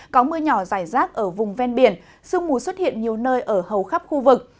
có mưa nhỏ dài rác ở vùng ven biển sương mù xuất hiện nhiều nơi ở hầu khắp khu vực